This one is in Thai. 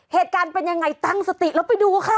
เหตุการณ์เป็นยังไงตั้งสติแล้วไปดูค่ะ